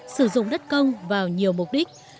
sử dụng đất công vào nhiều mục đích